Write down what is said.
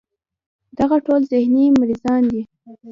دغه ټول ذهني مريضان دي